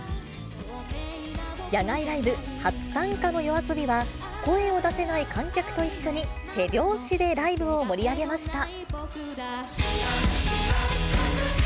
野外ライブ初参加のＹＯＡＳＯＢＩは、声を出せない観客と一緒に手拍子でライブを盛り上げました。